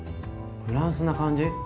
フランスな感じ